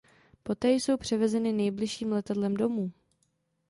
Poté jsou převezeny nejbližším letadlem domů.